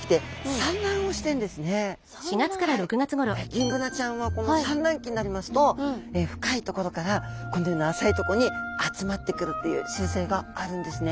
ギンブナちゃんはこの産卵期になりますと深いところからこのような浅いとこに集まってくるっていう習性があるんですね。